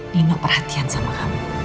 nino perhatian sama kamu